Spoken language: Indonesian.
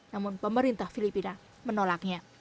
namun pemerintah filipina menolaknya